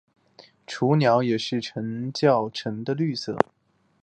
雏鸟也是呈较沉的绿色。